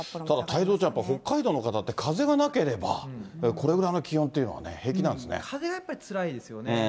ただ、太蔵ちゃん、北海道の方って風がなければ、これぐらいの気温っていうのはね、風がやっぱりつらいですよね。